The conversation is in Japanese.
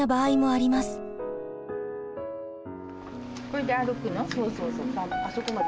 これで歩くの？